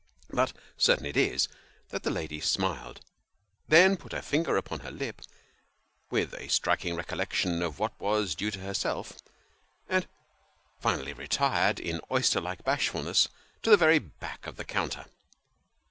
But certain it is, that the lady smiled ; then put her finger upon her lip, with a striking recollection of what was due to herself ; and finally retired, in oyster like bashfulness, to the very back of the counter.